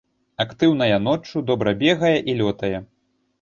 Актыўная ноччу, добра бегае і лётае.